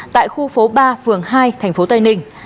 tại khu phố ba phường hai thành phố tây ninh